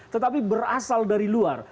tetapi berasal dari luar